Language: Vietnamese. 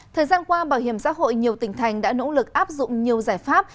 thời gian qua bảo hiểm xã hội nhiều tỉnh thành đã nỗ lực áp dụng nhiều giải pháp